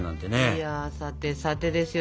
いやさてさてですよ